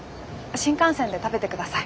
新幹線で食べてください。